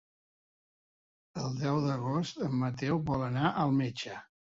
El deu d'agost en Mateu vol anar al metge.